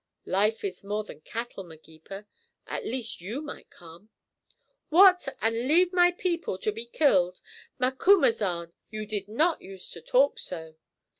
'" "Life is more than cattle, Magepa. At least you might come." "What! And leave my people to be killed? Macumazahn, you did not use to talk so.